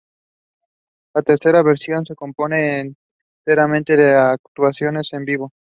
La tercera versión se compone enteramente de actuaciones en vivo.